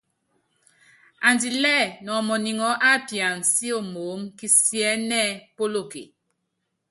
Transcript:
Andilɛ́ nɔmɔniŋɔɔ́ ápiana síomoómú, kisiɛ́nɛ́ polóke.